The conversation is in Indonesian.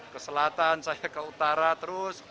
ke selatan saya ke utara terus